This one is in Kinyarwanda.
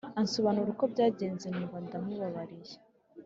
ansobanurira uko byagenze, numva ndamubabariye